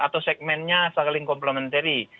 atau segmennya saling komplementari